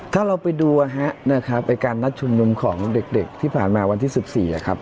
ถ้าเราไปดูนะครับไอ้การนัดชุมนุมของเด็กที่ผ่านมาวันที่๑๔นะครับ